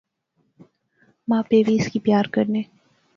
ما پے وی اُس کی پیار کرنے